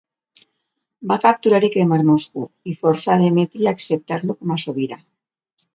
Va capturar i cremar Moscou, i forçà Demetri a acceptar-lo com a sobirà.